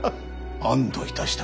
安堵いたしたか。